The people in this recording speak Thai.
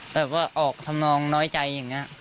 แบบว่าออกทำนองน้อยใจอย่างนี้